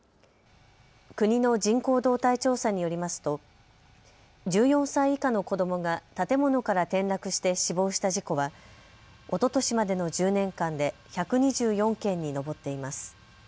国の人口動態調査によりますと１４歳以下の子どもが建物から転落して死亡した事故はおととしまでの１０年間で１２４件に上っています。